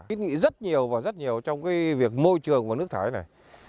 khiến nghị rất nhiều và rất nhiều trong cái việc môi trường của nước thải này